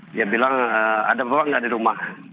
dia bilang ada bawang nggak di rumah